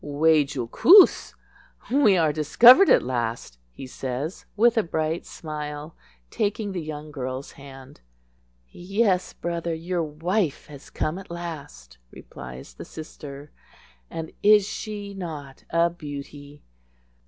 "Way jool koos" (We are discovered at last), he says, with a bright smile, taking the young girl's hand. "Yes, brother, your wife has come at last," replies the sister, "and is she not a beauty?"